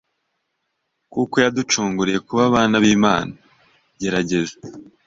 kuko yaducunguriye kuba abana b’Imana! Gerageza